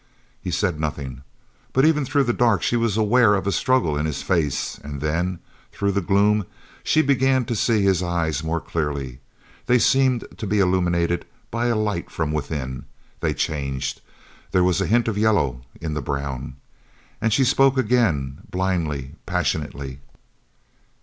He said nothing, but even through the dark she was aware of a struggle in his face, and then, through the gloom, she began to see his eyes more clearly. They seemed to be illuminated by a light from within they changed there was a hint of yellow in the brown. And she spoke again, blindly, passionately.